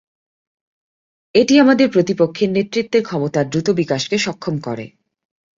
এটি আমাদের প্রতিপক্ষের নেতৃত্বের ক্ষমতার দ্রুত বিকাশকে সক্ষম করে।